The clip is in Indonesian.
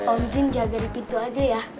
om jin jaga di pintu aja ya